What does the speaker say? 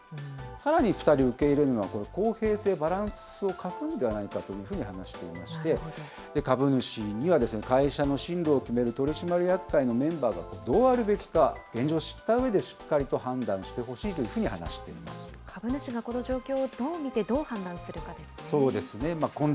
さらに２人受け入れるのは、公平性、バランスを欠くのではないかというふうに話していまして、株主には会社の進路を決める取締役会のメンバーがどうあるべきか現状を知ったうえでしっかりと判断してほしいというふうに話して株主がこの状況をどう見てどそうですね。